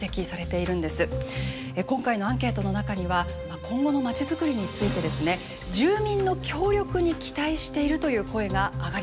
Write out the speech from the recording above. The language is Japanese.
今回のアンケートの中には今後のまちづくりについてですね住民の協力に期待しているという声が挙がりました。